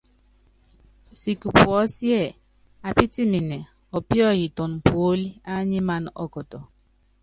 Siki puɔ́síɛ apítiminɛ ɔpíɔ́yitɔnɔ puólí ányímaná ɔkɔtɔ.